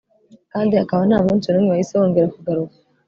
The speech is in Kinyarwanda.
kandi hakaba nta munsi n'umwe wahise wongera kugaruka